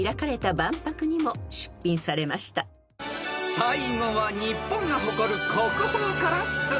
［最後は日本が誇る国宝から出題］